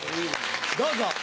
どうぞ！